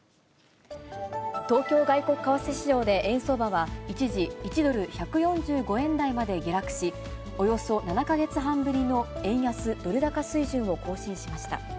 東京外国為替市場で円相場は一時、１ドル１４５円台まで下落し、およそ７か月半ぶりの円安ドル高水準を更新しました。